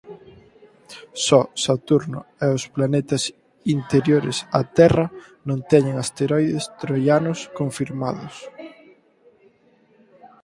Só Saturno e os planetas interiores á Terra non teñen asteroides troianos confirmados.